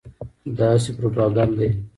دا هسې پروپاګند دی.